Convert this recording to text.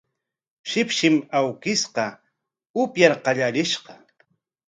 Shipshim awkishqa upyar qallarishqa